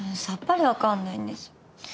さっぱり分かんないんです。